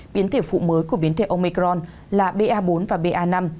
biến thể phụ mới của biến thể omicron là ba bốn và ba năm